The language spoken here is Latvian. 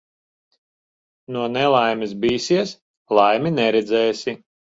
No nelaimes bīsies, laimi neredzēsi.